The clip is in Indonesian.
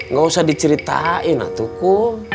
ga usah diceritain ah tuku